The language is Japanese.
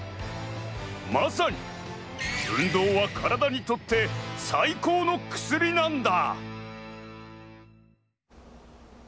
まさに運動はカラダにとって最高の薬なんだ！